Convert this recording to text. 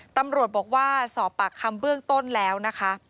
ตำรวจบอกว่าสอบปากคำเบื้องต้นแล้วนะคะ